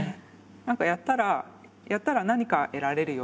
何かやったらやったら何か得られるよ。